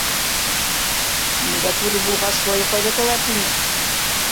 Еңгә күрер булғас, шулай йоҡлап яталар тиме?